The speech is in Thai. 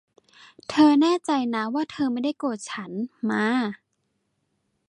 เธอแน่ใจนะว่าเธอไม่ได้โกรธฉัน มา